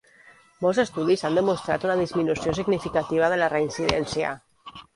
Molts estudis han demostrat una disminució significativa de la reincidència.